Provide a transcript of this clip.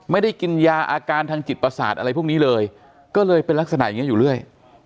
ไม่ได้กินยาอาการทางจิตประสาทอะไรพวกนี้เลยก็เลยเป็นลักษณะอย่างนี้อยู่เรื่อย